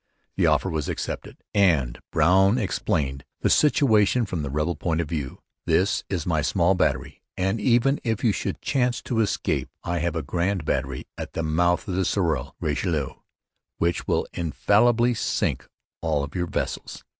The offer was accepted; and Brown explained the situation from the rebel point of view. 'This is my small battery; and, even if you should chance to escape, I have a grand battery at the mouth of the Sorel [Richelieu] which will infallibly sink all of your vessels.